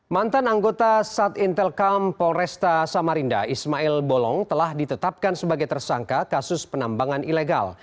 mantan anggota sat intel kam polresta samarinda ismail bolong telah ditetapkan sebagai tersangka kasus penambangan ilegal